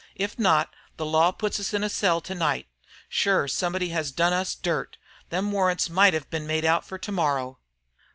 If not, the law puts us in a cell to night. Shure somebody has done us dirt. Them warrants might have been made out for to morrow."